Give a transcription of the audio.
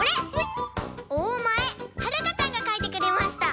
おおまえはるかちゃんがかいてくれました。